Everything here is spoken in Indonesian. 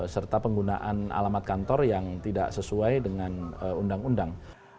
serta penggunaan alamat kantor yang tidak sesuai dengan undang undang